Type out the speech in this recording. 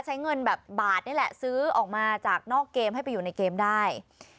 ใช้เงินแบบบาทนี่แหละซื้อออกมาจากนอกเกมให้ไปอยู่ในเกมได้